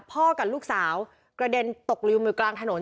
พ่อกับลูกสาวกระเด็นตกลิ่วมือกลางถนน